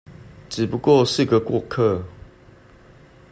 只不過是個過客